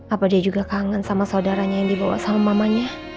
apa dia juga kangen sama saudaranya yang dibawa sama mamanya